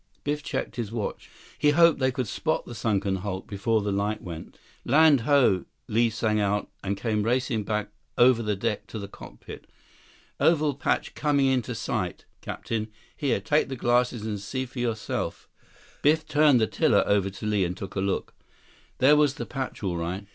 Biff checked his watch. He hoped they could spot the sunken hulk before the light went. 136 "Land ho!" Li sang out and came racing back over the deck to the cockpit. "Oval patch coming into sight, captain. Here, take the glasses and see for yourself." Biff turned the tiller over to Li and took a look. That was the patch, all right.